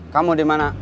kamu di mana